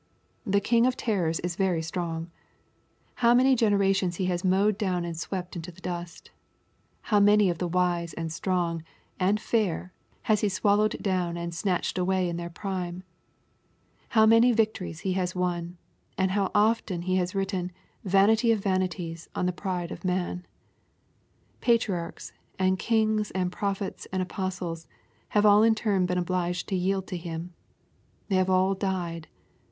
The king of terrors is very strong. How many generations he has mowed down and swept into the dust 1 How many of the wise and strong, and fair, he has swallowed down and snatched away in their prime I How many victories he has won, and how often he has written " vanity of vanities," on the pride of man I Patriarchs, and kings, and prophets, and apostles, have all in turn been obliged to yield to him. They have all died.